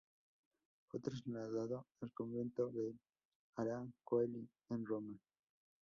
Fue trasladado al convento del "Ara Coeli" en Roma.